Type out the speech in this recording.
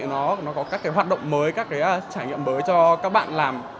nó có các hoạt động mới các trải nghiệm mới cho các bạn làm